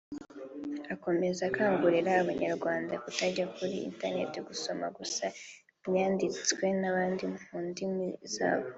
Akomeza akangurira Abanyarwanda kutajya kuri Internet gusoma gusa ibyanditswe n’abandi mu ndimi z’iwabo